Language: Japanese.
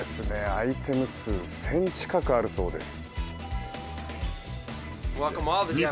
アイテム数１０００近くあるそうです。